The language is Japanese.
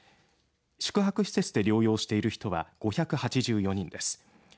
宿泊施設で療養している人は５８４人です。